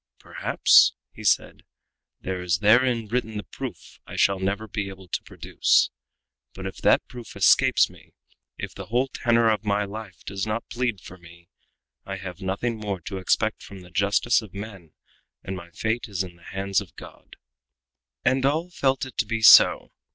"Perhaps," he said, "there is therein written the proof I shall never be able to produce. But if that proof escapes me, if the whole tenor of my life does not plead for me, I have nothing more to expect from the justice of men, and my fate is in the hands of God!" And all felt it to be so.